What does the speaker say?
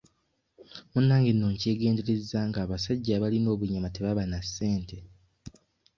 Munnange nno nkyegenderezza ng'abasajja abalina obunyama tebaba na ssente.